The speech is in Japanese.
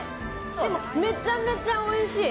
でもめちゃめちゃおいしい。